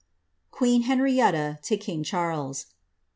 QncKN Henrietta to Kino Charles.